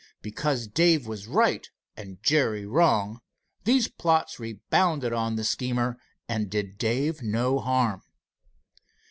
Because Dave was right and Jerry wrong, there plots rebounded on the schemer and did Dave no harm.